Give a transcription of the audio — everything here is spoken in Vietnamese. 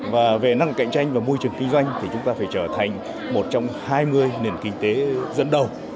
và về năng cạnh tranh và môi trường kinh doanh thì chúng ta phải trở thành một trong hai mươi nền kinh tế dẫn đầu